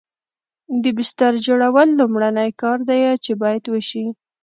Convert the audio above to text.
د بستر جوړول لومړنی کار دی چې باید وشي